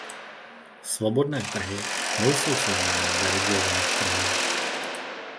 Svobodné trhy nejsou synonymem deregulovaných trhů.